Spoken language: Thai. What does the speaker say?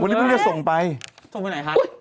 ของนี่ต้องไปส่งไปไหนคะ